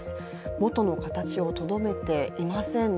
元の形をとどめていませんね。